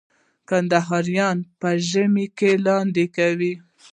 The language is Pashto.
کندهاریان په ژمي کي لاندی کوي.